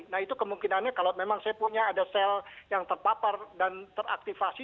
nah itu kemungkinannya kalau memang saya punya ada sel yang terpapar dan teraktifasi